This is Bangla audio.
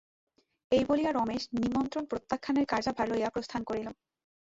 এই বলিয়া রমেশ নিমন্ত্রণ প্রত্যাখ্যানের কার্যভার লইয়া প্রস্থান করিল।